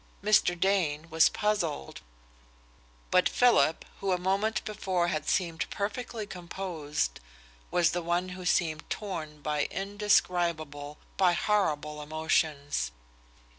Mr. Dane was puzzled. But Philip, who a moment before had seemed perfectly composed, was the one who seemed torn by indescribable, by horrible emotions.